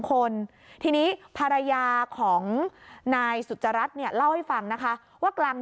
คนทีนี้ภรรยาของนายสุจรัสเนี่ยเล่าให้ฟังนะคะว่ากลาง